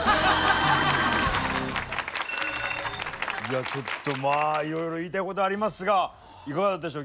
いやちょっとまあいろいろ言いたいことありますがいかがだったでしょう？